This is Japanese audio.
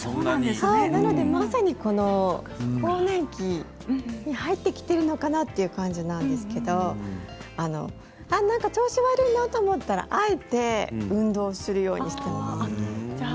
まさにこの更年期に入ってきているのかなという感じなんですけれど何か調子悪いなと思ったらあえて運動するようにしています。